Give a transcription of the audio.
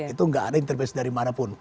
itu enggak ada intervensi dari mana pun